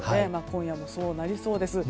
今夜もそうなりそうです。